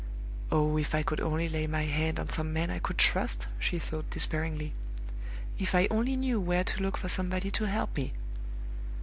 "Oh, if I could only lay my hand on some man I could trust!" she thought, despairingly. "If I only knew where to look for somebody to help me!"